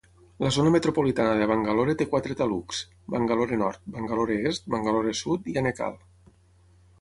La zona metropolitana de Bangalore té quatre taluks: Bangalore Nord, Bangalore Est, Bangalore Sud i Anekal.